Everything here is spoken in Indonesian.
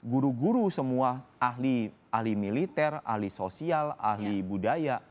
guru guru semua ahli militer ahli sosial ahli budaya